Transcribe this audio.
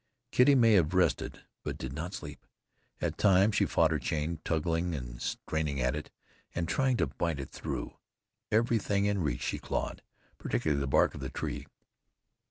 Kitty may have rested, but did not sleep. At times she fought her chain, tugging and straining at it, and trying to bite it through. Everything in reach she clawed, particularly the bark of the tree.